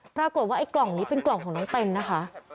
ปรากฏว่าไอ้กล่องนี้เป็นกล่องของน้องเต็นนะคะ